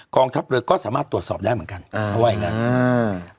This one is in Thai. ทัพเรือก็สามารถตรวจสอบได้เหมือนกันเขาว่าอย่างงั้นอ่า